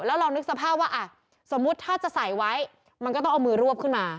แล้วเรานึกสภาพว่าอ่ะสมมุติถ้าจะใส่ไว้มันก็ต้องเอามือรวบขึ้นมา